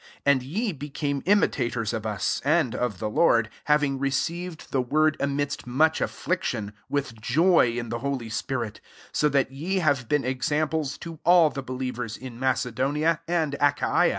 6 And ye became imitators of us, and of the Lord, having receiv ed the word amidst much af fliction, with joy in the holy spirit : 7 so that ye have been examples to all the believers in Macedonia and Achaia.